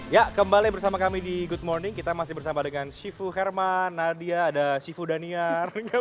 ya kembali bersama kami di good morning kita masih bersama dengan syifu herman nadia ada syifu daniar